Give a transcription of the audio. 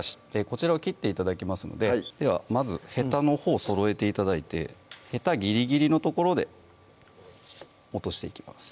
こちらを切って頂きますのでではまずへたのほうそろえて頂いてへたギリギリの所で落としていきます